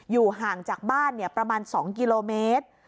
อยู่ห่างจากบ้านประมาณ๒กิโลเมตร